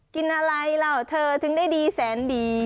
กินอะไรล่ะเธอถึงได้ดีแสนดี